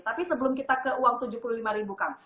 tapi sebelum kita ke uang rp tujuh puluh lima ribu kang